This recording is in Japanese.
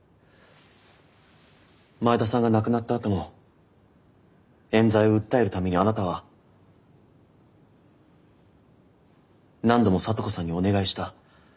前田さんが亡くなったあとも冤罪を訴えるためにあなたは何度も咲都子さんにお願いした。